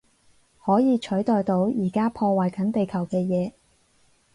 可以取代到而家破壞緊地球嘅嘢